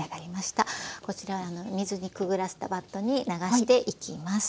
こちら水にくぐらせたバットに流していきます。